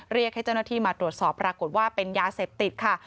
เรียกให้เจ้าหน้าที่มาตรวจสอบปรากฏว่าเป็นยาเสพติดค่ะ